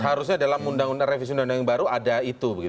harusnya dalam revisi undang undang yang baru ada itu